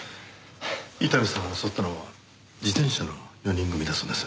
伊丹さんを襲ったのは自転車の４人組だそうです。